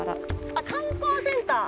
あっ観光センター。